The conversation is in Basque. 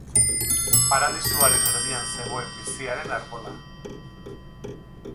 Paradisuaren erdian zegoen biziaren arbola.